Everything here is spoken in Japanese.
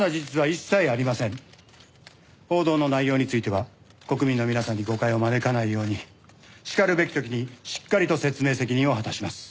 報道の内容については国民の皆さんに誤解を招かないようにしかるべき時にしっかりと説明責任を果たします。